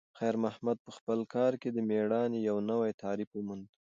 خیر محمد په خپل کار کې د میړانې یو نوی تعریف وموند.